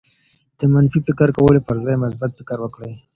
د منفي فکر کولو پر ځای مثبت فکر وکړئ.